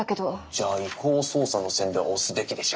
じゃあ違法捜査の線で押すべきでしょ。